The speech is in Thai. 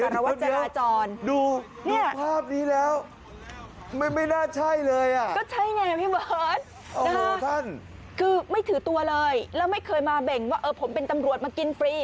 สรวจราจรดูภาพนี้แล้วไม่น่าใช่เลยคือไม่ถือตัวเลยแล้วไม่เคยมาเบ่งว่าผมเป็นตำรวจมากินฟรี